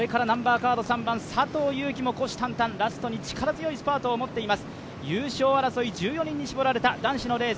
３番、佐藤悠基も虎視眈々、ラストに力強いスパートを持っています。